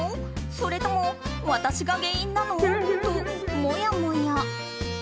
それとも私が原因なの？ともやもや。